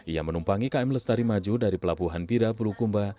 kepulauan selayar juga berhasil dihubungkan dengan pelabuhan pira pulukumba